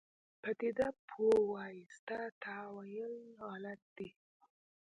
پدیده پوه وایي ستا تاویل غلط دی.